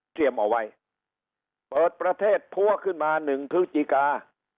เอาไว้เปิดประเทศพัวขึ้นมา๑พฤศจิกา